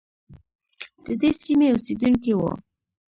ددې سیمې اوسیدونکی وو.